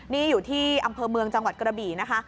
นี่อยู่ที่อำเภอเมืองจังหวัดกระบี่นะคะ